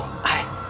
はい。